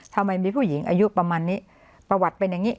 ทำไมมีผู้หญิงอายุประมาณนี้ประวัติเป็นอย่างนี้